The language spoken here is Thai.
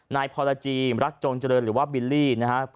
นายพรจีมรัฐจงเจริญหรือว่าบิลลี่